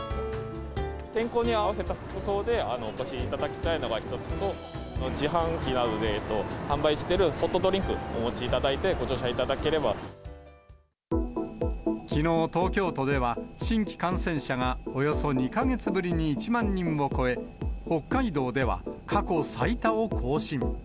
天候に合わせた服装でお越しいただきたいのが一つと、自販機などで販売しているホットドリンク、お持ちいただいて、きのう東京都では、新規感染者が、およそ２か月ぶりに１万人を超え、北海道では過去最多を更新。